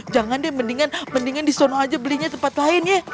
jangan deh mendingan disono aja belinya tempat lain ya